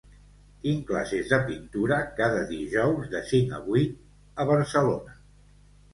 Tinc classes de pintura cada dijous de cinc a vuit a Barcelona.